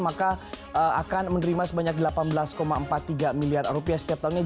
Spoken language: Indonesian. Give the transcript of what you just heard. maka akan menerima sebanyak delapan belas empat puluh tiga miliar rupiah setiap tahunnya